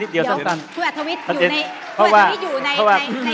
เดี๋ยวคุณอธวิตอยู่ในเนื้อหาที่โดนพาดพิงด้วย